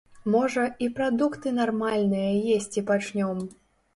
Можа, і прадукты нармальныя есці пачнём!